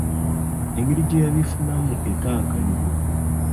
Engeri gye yabifunamu etankanibwa.